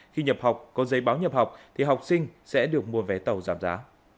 khi nhập học có giấy báo nhập học thì học sinh sẽ được mua vé tàu giảm giá